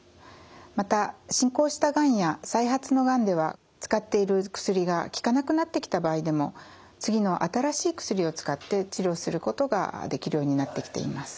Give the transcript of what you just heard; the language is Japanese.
また進行したがんや再発のがんでは使っている薬が効かなくなってきた場合でも次の新しい薬を使って治療することができるようになってきています。